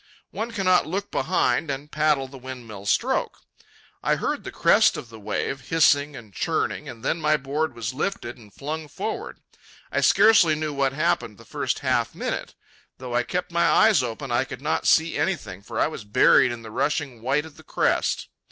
One cannot look behind and paddle the windmill stroke. I heard the crest of the wave hissing and churning, and then my board was lifted and flung forward. I scarcely knew what happened the first half minute. Though I kept my eyes open, I could not see anything, for I was buried in the rushing white of the crest.